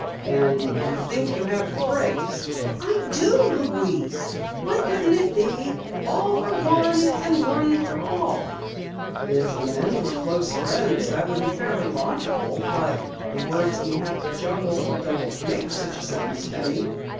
"And you think you have the phrase?" "I do, Louise! Why couldn't it be: All for one, one for all?" "If the men were close friends, that would be fairly logical. But the words we have to juggle don't make such a sentence, Penny."